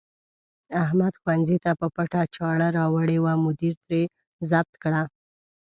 احمد ښوونځي ته په پټه چاړه راوړې وه، مدیر ترې ضبط کړه.